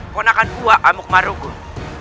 konakan uak amuk marugun